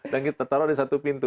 dan kita taruh di satu pintu